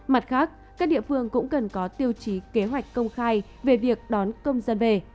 mặt khác các địa phương cũng cần có tiêu chí kế hoạch công khai về việc đón công dân về